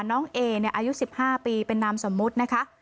น้องเออายุ๑๕ปีเป็นนามสมมุตินะคะ